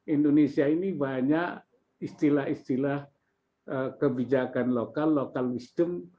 indonesia ini banyak istilah istilah kebijakan lokal lokal wisdom